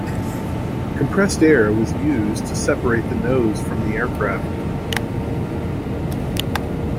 Compressed air was used to separate the nose from the aircraft.